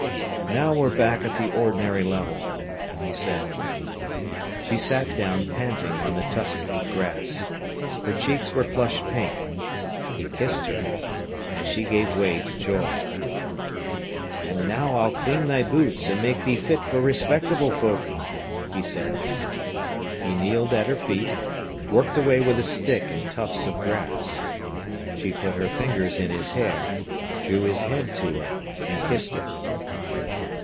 "Now we're back at the ordinary level," he said. She sat down, panting, on the tussocky grass. Her cheeks were flushed pink. He kissed her, and she gave way to joy. "And now I'll clean thy boots and make thee fit for respectable folk," he said. He kneeled at her feet, worked away with a stick and tufts of grass. She put her fingers in his hair, drew his head to her, and kissed it.